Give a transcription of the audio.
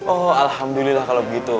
oh alhamdulillah kalau begitu